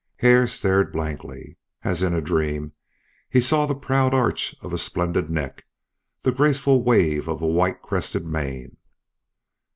Hare stared blankly. As in a dream he saw the proud arch of a splendid neck, the graceful wave of a white crested mane.